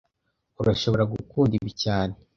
Urashobora gukunda ibi cyane